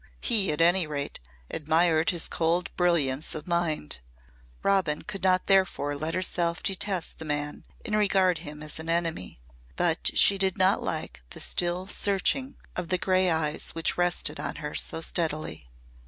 He, at any rate, admired his cold brilliance of mind. Robin could not therefore let herself detest the man and regard him as an enemy. But she did not like the still searching of the grey eyes which rested on her so steadily.